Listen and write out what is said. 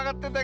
apaan tuh ini